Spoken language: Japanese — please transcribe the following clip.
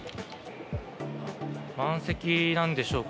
満席なんでしょうか。